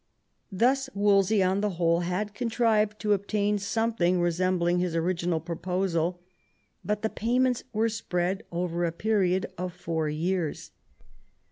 Thus Wolsey, on the whole, had contrived to obtain something resembling Ids original proposal, but the payments were spread over a period of four years.